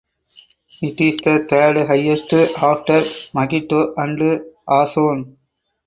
It is the third highest after "Mahito" and "Ason".